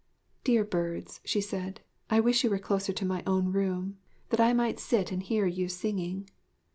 'Dear birds,' she said, 'I wish you were closer to my own room, that I might sit and hear you singing.'